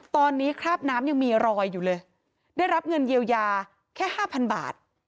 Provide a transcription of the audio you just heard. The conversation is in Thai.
ตอนนี้คราบน้ำยังมีรอยอยู่เลยได้รับเงินเยียวยาแค่ห้าพันบาท